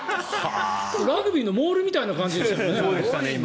ラグビーのモールみたいな感じでしたね。